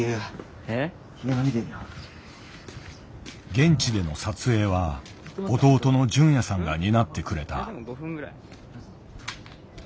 現地での撮影は弟の隼也さんが担ってくれた。